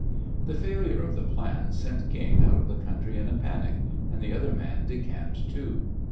The failure of the plan sent King out of the country in a panic, and the other man decamped too.